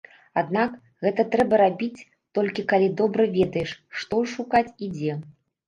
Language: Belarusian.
Аднак, гэта трэба рабіць толькі калі добра ведаеш, што шукаць і дзе.